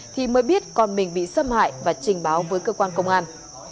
thì mới biết con mình bị xâm hại và trình báo với cơ quan công an